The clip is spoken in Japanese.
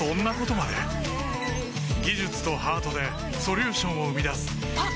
技術とハートでソリューションを生み出すあっ！